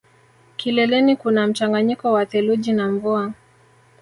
Kileleni kuna mchanganyiko wa theluji na mvua